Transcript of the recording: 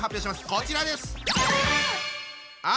こちらです！